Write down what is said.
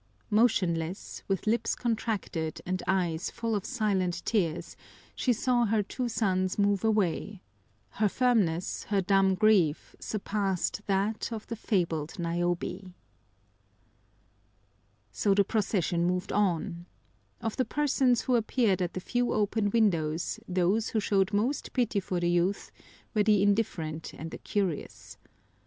Motionless, with lips contracted and eyes full of silent tears, she saw her two sons move away; her firmness, her dumb grief surpassed that of the fabled Niobe. So the procession moved on. Of the persons who appeared at the few open windows those who showed most pity for the youth were the indifferent and the curious.